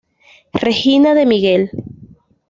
Regina de Miguel